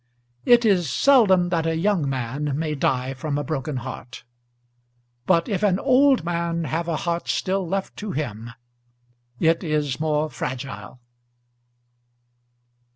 It is seldom that a young man may die from a broken heart; but if an old man have a heart still left to him, it is more fragile.